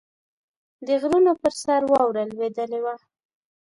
د غرونو پر سر واوره لوېدلې وه.